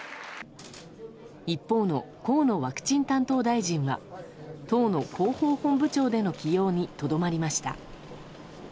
一方の河野ワクチン担当大臣は党の広報本部長での起用にとどまりました。